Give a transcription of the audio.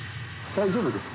大丈夫です。